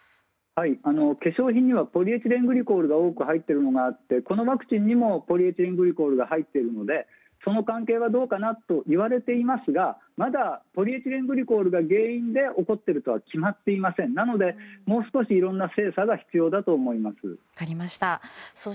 化粧品にはポリエチレングリコールが多く入っているのがあってそのワクチンにもポリエチレングリコールが入っていますのでその関係は、まだどうかといわれていますがまだポリエチレングリコールが原因で起こっているかは分かりませんのでいろんな精査が必要だと思います。